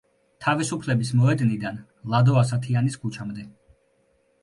თავისუფლების მოედნიდან ლადო ასათიანის ქუჩამდე.